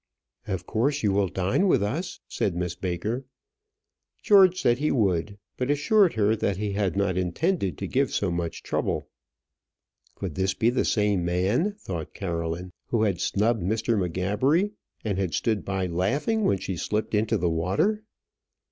"Of course you will dine with us," said Miss Baker. George said he would, but assured her that he had not intended to give so much trouble. Could this be the same man, thought Caroline, who had snubbed Mr. M'Gabbery, and had stood by laughing when she slipped into the water?